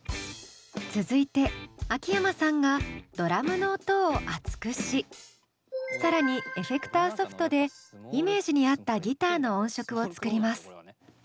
続いて秋山さんがドラムの音を厚くし更にエフェクターソフトでイメージに合ったギターの音色を作ります。